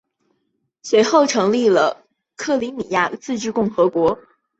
随后成立了克里米亚自治共和国。